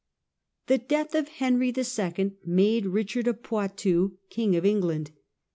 The death of Henry II. made Eichard of Poitou King of England.